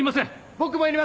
僕もいりません！